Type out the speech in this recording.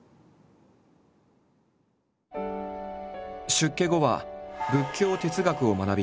出家後は仏教哲学を学び